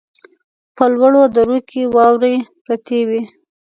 په لوړو درو کې واورې پرتې وې.